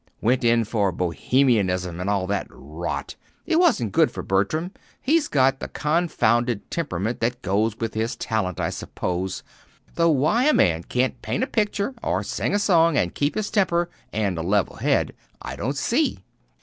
Went in for Bohemianism, and all that rot. It wasn't good for Bertram. He's got the confounded temperament that goes with his talent, I suppose though why a man can't paint a picture, or sing a song, and keep his temper and a level head I don't see!"